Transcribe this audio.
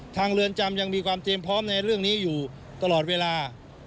เรือนจำยังมีความเตรียมพร้อมในเรื่องนี้อยู่ตลอดเวลา